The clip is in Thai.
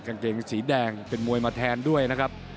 กางเกงสีแดงเป็นมวยมาแทนด้วยนะครับ